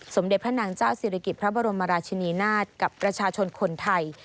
สมเด็จพระนางเจ้าศิริกิจพระบรมราชินีนาฏกับประชาชนคนไทย